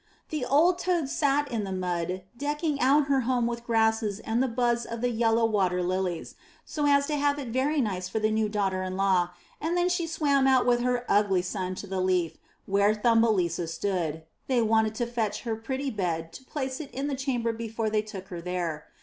The old toad sat in the mud decking out her home with grasses and the buds of the yellow water lilies, so as to have it very nice for the new daughter in law, and then she swam out with her ugly son to the leaf where Thumbelisa stood; they wanted to fetch her pretty bed to place it in the chamber before they took her there.